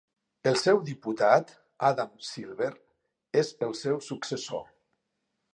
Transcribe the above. El seu diputat, Adam Silver, és el seu successor.